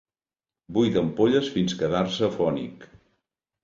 Buida ampolles fins quedar-se afònic.